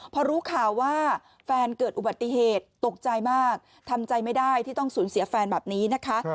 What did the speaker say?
พอรู้ข่าวว่าแฟนเกิดอุบัติเหตุตกใจมากทำใจไม่ได้ที่ต้องสูญเสียแฟนแบบนี้นะคะ